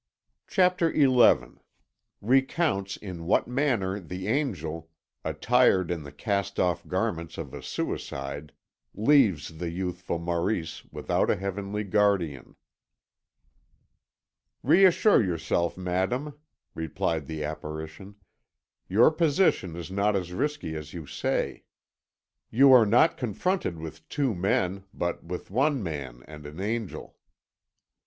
CHAPTER XI RECOUNTS IN WHAT MANNER THE ANGEL, ATTIRED IN THE CAST OFF GARMENTS OF A SUICIDE, LEAVES THE YOUTHFUL MAURICE WITHOUT A HEAVENLY GUARDIAN "Reassure yourself, Madame," replied the apparition, "your position is not as risky as you say. You are not confronted with two men, but with one man and an angel."